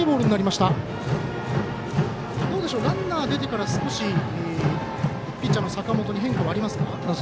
ランナー出てから少しピッチャーの坂本に変化はありますか？